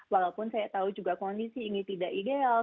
walaupun saya tahu juga kondisi ini tidak ideal